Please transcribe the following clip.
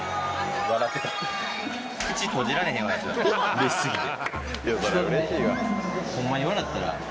うれし過ぎて。